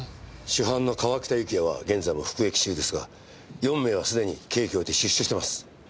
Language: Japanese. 主犯の川北幸也は現在も服役中ですが４名はすでに刑期を終えて出所してます。